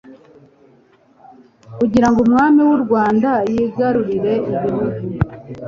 Kugirango Umwami w'u Rwanda yigarurire igihugu